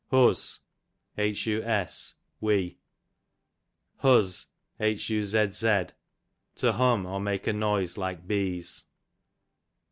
Hus, we. Huzz, to hum, or make a noise like bees.